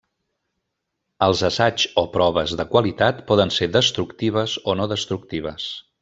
Els assaigs o proves de qualitat poden ser destructives o no destructives.